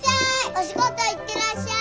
お仕事行ってらっしゃい！